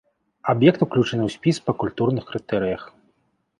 Аб'ект уключаны ў спіс па культурных крытэрыях.